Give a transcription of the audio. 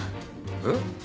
えっ？